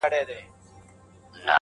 ژړا خــود نــــه ســـــــې كـــــــولاى.